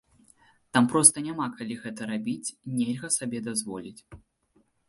Там проста няма калі гэта рабіць, нельга сабе дазволіць.